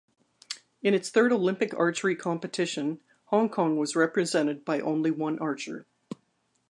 In its third Olympic archery competition, Hong Kong was represented by only one archer.